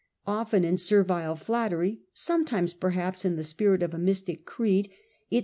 Often in servile flattery, sometimes de£\hefr Perhaps in the spirit of a mystic creed, it kings.